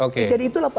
jadi itulah pak arb